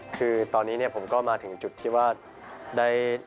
คือตอนนี้เนี่ยผมก็มาถึงจุดที่ว่าได้